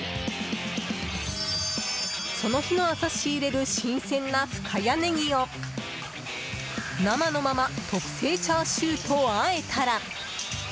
その日の朝、仕入れる新鮮な深谷ネギを生のまま特製チャーシューとあえたら。